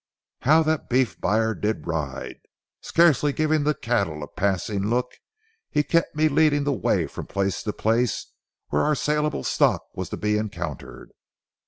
How that beef buyer did ride! Scarcely giving the cattle a passing look, he kept me leading the way from place to place where our salable stock was to be encountered.